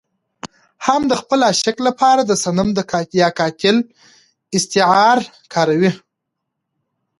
هم د خپل عاشق لپاره د صنم يا قاتل استعاره کاروي.